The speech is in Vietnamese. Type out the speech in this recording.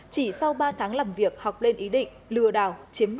chỉ sau ba tháng làm việc học lên ý định lừa đảo